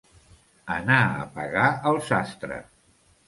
Anar a pagar al sastre.